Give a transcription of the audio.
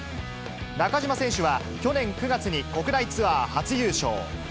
中島選手は、去年９月に国内ツアー初優勝。